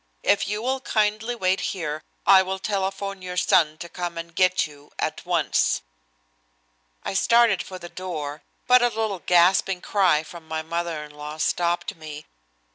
If you will kindly wait here I will telephone your son to come and get you at once." I started for the door, but a little gasping cry from my mother in law stopped me.